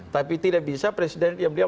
tapi tidak bisa presiden yang beliau